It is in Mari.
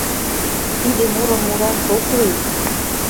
Тиде мурым мураш ок лий!